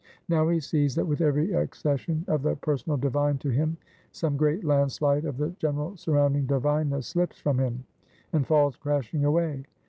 Now he sees, that with every accession of the personal divine to him, some great land slide of the general surrounding divineness slips from him, and falls crashing away.